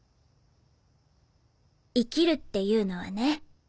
生きるっていうのはね